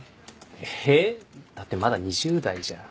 えだってまだ２０代じゃん。